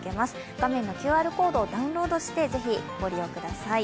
画面のＱＲコードをダウンロードしてぜひご利用ください。